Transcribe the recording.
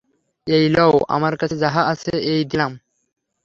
এই লও আমার কাছে যাহা আছে, এই দিলাম।